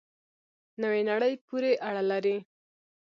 نوې نړۍ پورې اړه لري.